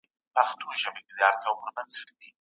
بدن ته تاوان رسوي.